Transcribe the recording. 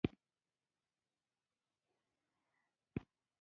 جانداد د هڅونې سرچینه دی.